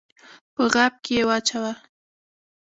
په غاب کي یې واچوه !